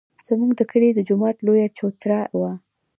زموږ د کلي د جومات لویه چوتره وه.